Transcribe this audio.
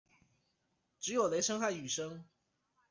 只有雷聲和雨聲